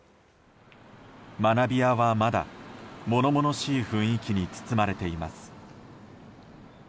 学び舎はまだ物々しい雰囲気に包まれています。